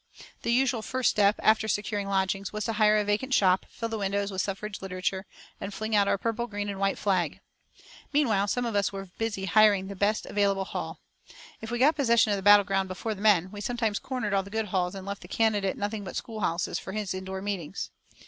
The usual first step, after securing lodgings, was to hire a vacant shop, fill the windows with suffrage literature, and fling out our purple, green, and white flag. Meanwhile, some of us were busy hiring the best available hall. If we got possession of the battle ground before the men, we sometimes "cornered" all the good halls and left the candidate nothing but schoolhouses for his indoor meetings.